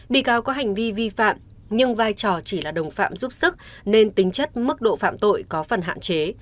bị cáo có hành vi vi phạm nhưng vai trò chỉ là đồng phạm giúp sức nên tính chất mức độ phạm tội có phần hạn chế